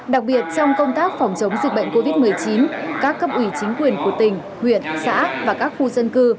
đặc biệt trong công tác phòng chống dịch bệnh covid một mươi chín các cấp ủy chính quyền của tỉnh huyện xã và các khu dân cư